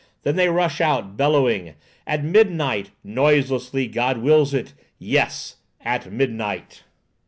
Then they rush out, bellowing,— "At midnight, Noiselessly, God wills it, Yes, At midnight."